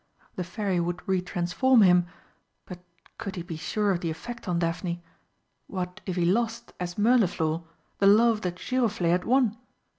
The Fairy would re transform him but could he be sure of the effect on Daphne? What if he lost, as Mirliflor, the love that Giroflé had won?